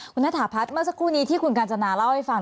คุณณฐาพัฒน์เมื่อสักครู่นี้ที่คุณกาญจนาเล่าให้ฟัง